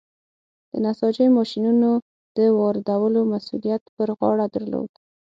د نساجۍ ماشینونو د واردولو مسوولیت پر غاړه درلود.